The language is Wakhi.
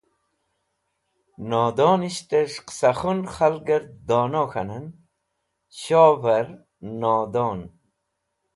Nodonishtẽs̃h qẽsakhun khalgẽr dono k̃hanẽn, shovẽr nodon.